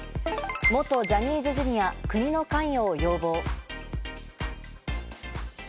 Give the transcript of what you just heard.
元ジャニーズＪｒ．、国の関与を要望。